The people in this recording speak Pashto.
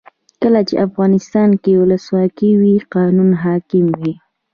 کله چې افغانستان کې ولسواکي وي قانون حاکم وي.